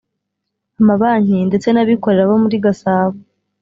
amabanki ndetse n’abikorera bo muri Gasabo